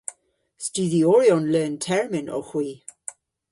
Studhyoryon leun-termyn owgh hwi.